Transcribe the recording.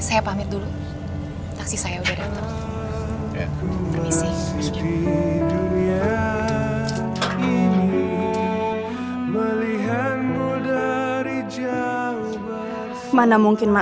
sebaiknya kamu segera memperkenalkan andin ke mama kamu